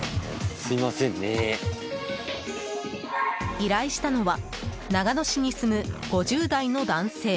依頼したのは長野市に住む５０代の男性。